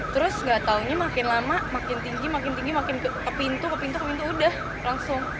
terus gak taunya makin lama makin tinggi makin tinggi makin ke pintu ke pintu ke pintu udah langsung